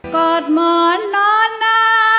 กอดหมอนนอนหน้า